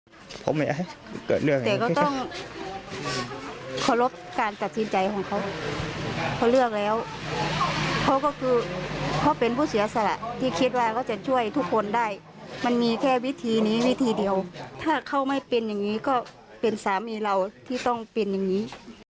เพราะไม่อยากให้เกิดเรื่องแต่ก็ต้องเคารพการตัดสินใจของเขาเพราะเลือกแล้วเขาก็คือเขาเป็นผู้เสียสละที่คิดว่าเขาจะช่วยทุกคนได้มันมีแค่วิธีนี้วิธีเดียวถ้าเขาไม่เป็นอย่างนี้ก็เป็นสามีเราที่ต้องเป็นอย่างนี้